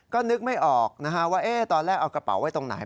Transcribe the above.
ก็นึกไม่ออกนะฮะว่าตอนแรกเอากระเป๋าไว้ตรงไหน